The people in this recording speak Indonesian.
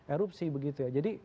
erupsi begitu ya jadi